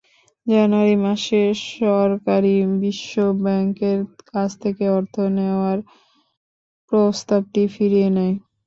জানুয়ারি মাসে সরকারই বিশ্বব্যাংকের কাছ থেকে অর্থ নেওয়ার প্রস্তাবটি ফিরিয়ে নেয়।